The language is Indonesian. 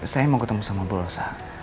saya mau ketemu sama dolsa